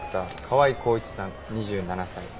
川井公一さん２７歳。